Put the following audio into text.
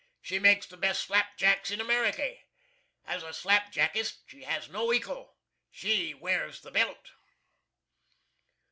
She makes the best slap jacks in America. As a slap jackist, she has no ekal. She wears the Belt.